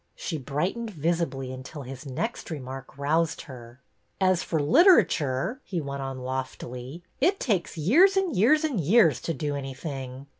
She brightened visibly until his next remark roused her. '' As for literature,'' he went on loftily, it takes years and years and years to do anything."